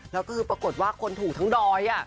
แล้วก็ปรากฏว่าคนถูกทั้งดอย